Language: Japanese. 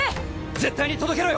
絶対に届けろよ！